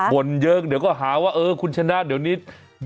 บ่นเยอะเดี๋ยวก็หาว่าเออคุณชนะเดี๋ยวนี้